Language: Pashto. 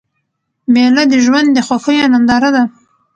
مېله د ژوند د خوښیو ننداره ده.